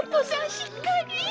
しっかり。